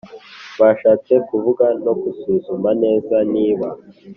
Bashatse kuvuga no gusuzuma neza niba